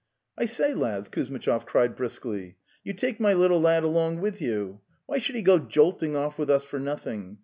'""T say, lads," Kuzmitchov cried briskly, " you take my little lad along with you! Why should he go jolting off with us for nothing?